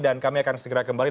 dan kami akan segera kembali